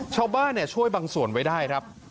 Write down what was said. ชาวบ้านช่วยบางส่วนไว้ได้ครับ